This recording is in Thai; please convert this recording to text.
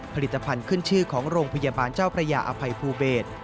ผลิตภัณฑ์ขึ้นชื่อของโรงพยาบาลเจ้าพระยาอภัยภูเบศ